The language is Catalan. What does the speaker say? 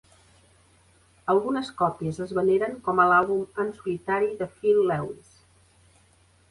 Algunes còpies es veneren com a l'àlbum "en solitari" de Phil Lewis.